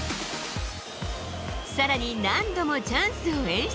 さらに何度もチャンスを演出。